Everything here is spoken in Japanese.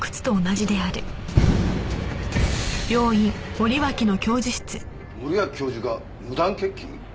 森脇教授が無断欠勤？